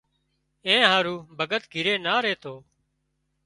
اين هارو ڀڳت گھري نا ريتو